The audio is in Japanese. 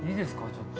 ちょっと。